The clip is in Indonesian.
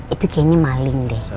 itu kayaknya maling deh